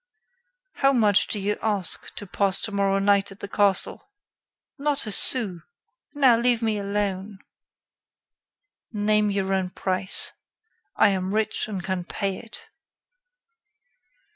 "How much do you ask to pass tomorrow night in the castle?" "Not a sou. Now, leave me alone." "Name your own price. I am rich and can pay it."